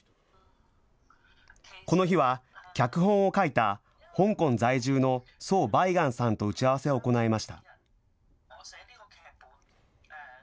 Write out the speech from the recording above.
この日は、脚本を書いた香港在住の莊梅岩さんと打ち合わせを行いました。